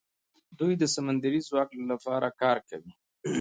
دوی د سمندري ځواک لپاره کار کوي.